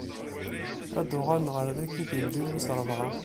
Ad d-uɣalen ɣer dagi di lǧil wis ṛebɛa.